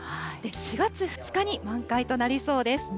４月２日に満開となりそうです。